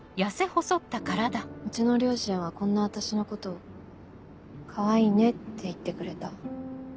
うちの両親はこんな私のことを「かわいいね」って言ってくれた。